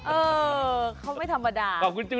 เออเขาไม่ธรรมดา